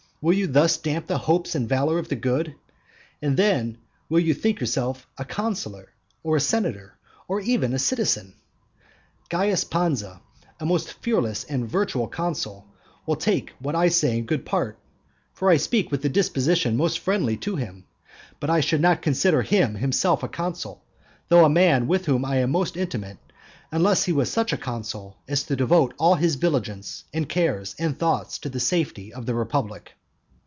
Will you thus damp the hopes and valour of the good? And then will you think yourself a consular, or a senator, or even a citizen? Caius Pansa, a most fearless and virtuous consul, will take what I say in good part. For I will speak with a disposition most friendly to him; but I should not consider him himself a consul, though a man with whom I am most intimate, unless he was such a consul as to devote all his vigilance, and cares, and thoughts to the safety of the republic.